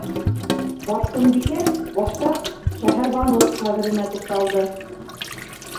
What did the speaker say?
Барсынбикә башта Шәһәрбаныу ҡәберенә туҡталды.